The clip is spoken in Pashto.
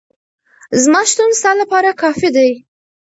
زما شتون ستا لپاره کافي دی.